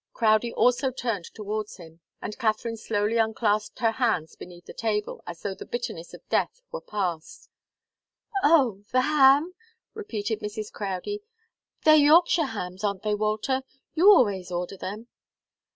Crowdie also turned towards him, and Katharine slowly unclasped her hands beneath the table, as though the bitterness of death were passed. "Oh the ham?" repeated Mrs. Crowdie. "They're Yorkshire hams, aren't they, Walter? You always order them."